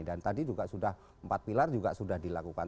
dan tadi juga sudah empat pilar juga sudah dilakukan